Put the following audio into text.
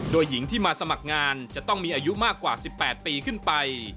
โดยหญิงที่มาสมัครงานจะต้องมีอายุมากกว่า๑๘ปีขึ้นไป